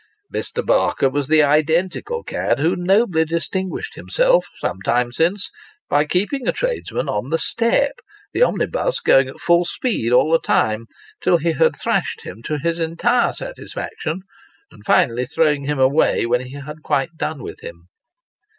Mr. Barker was the identical cad who nobly distinguished himself, some time since, by keeping a tradesman on the step the omnibus going at full speed all the time till he had thrashed him to his entire satisfaction, and finally throwing him away, when he had quite A Rival Genius. Ill clone with him.